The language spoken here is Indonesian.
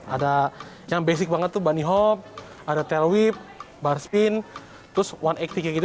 ada yang basic banget tuh bunny hop ada tail whip bar spin terus one act kayak gitu